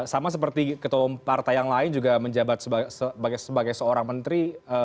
sama seperti ketua partai yang lain juga menjabat sebagai seorang menteri